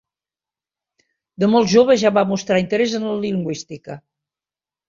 De molt jove ja va mostrar interès en la lingüística.